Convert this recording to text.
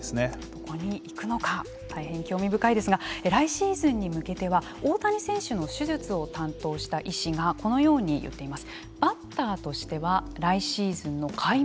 どこに行くのか大変興味深いですが来シーズンに向けては大谷選手の手術を担当した医師がこのように言っています。